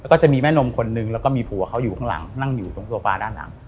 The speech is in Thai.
แล้วก็จะมีแม่นมคนนึงแล้วก็มีผัวเขาอยู่ข้างหลังนั่งอยู่ตรงโซฟาด้านหลัง